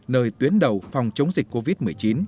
nơi tuyến đầu phòng chống dịch covid một mươi chín